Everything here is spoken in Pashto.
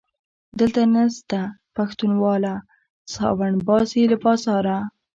دلته نسته پښتونواله - ساوڼ باسي له بازاره